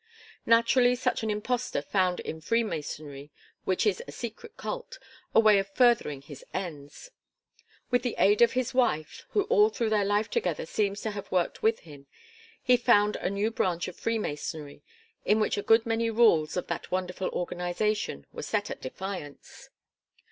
Naturally such an impostor found in Freemasonry, which is a secret cult, a way of furthering his ends. With the aid of his wife, who all through their life together seems to have worked with him, he founded a new branch of freemasonry in which a good many rules of that wonderful organisation were set at defiance.